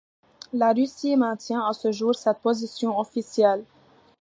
La Russie maintient à ce jour cette position officielle.